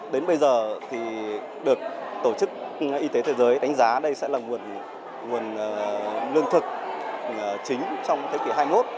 đến bây giờ thì được tổ chức y tế thế giới đánh giá đây sẽ là nguồn lương thực chính trong thế kỷ hai mươi một